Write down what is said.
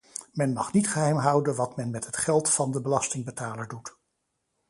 Men mag niet geheim houden wat men met het geld van de belastingbetaler doet.